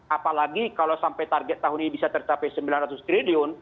apalagi kalau sampai target tahun ini bisa tercapai sembilan ratus triliun